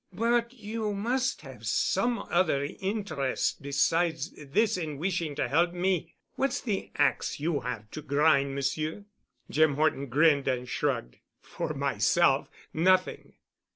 "But you must have some other interest besides this in wishing to help me. What's the ax you have to grind, Monsieur?" Jim Horton grinned and shrugged. "For myself—nothing."